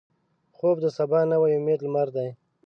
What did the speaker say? خوب د سبا نوې امیدي لمر دی